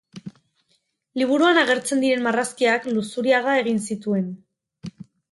Liburuan agertzen diren marrazkiak Luzuriaga egin zituen.